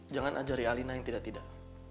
jangan ajari alina yang tidak tidak